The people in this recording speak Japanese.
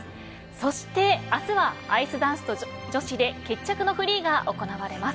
そして明日はアイスダンスと女子で決着のフリーが行われます。